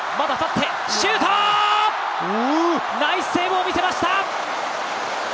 ナイスセーブを見せました！